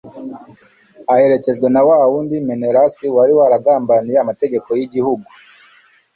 aherekejwe na wa wundi menelasi wari waragambaniye amategeko n'igihugu